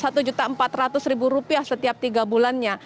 jadi itu sudah mencapai seratus ribu rupiah setiap tiga bulannya